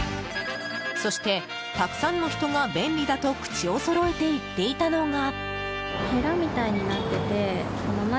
そして、たくさんの人が便利だと口をそろえて言っていたのが。